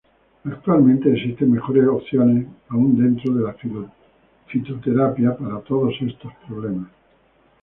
Actualmente existen mejores opciones aún dentro de la fitoterapia para todos estos problemas.